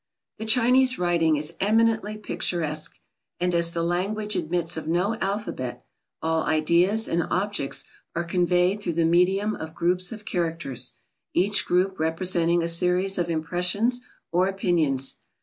The Chinese writing is eminently picturesque; and as the language admits of no alphabet, all ideas and objects are conveyed through the medium of groups of characters, each group representing a series of impressions, or opinions.